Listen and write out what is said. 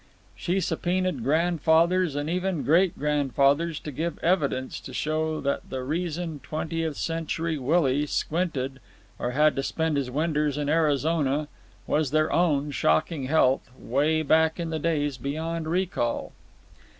She subpoenaed grandfathers and even great grandfathers to give evidence to show that the reason Twentieth Century Willie squinted or had to spend his winters in Arizona was their own shocking health way back in the days beyond recall.